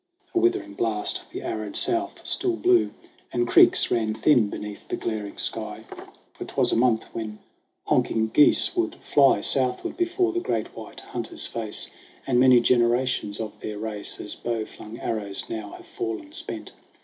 A withering blast the arid South still blew, And creeks ran thin beneath the glaring sky; For 'twas a month ere honking geese would fly Southward before the Great White Hunter's face : And many generations of their race, As bow flung arrows, now have fallen spent.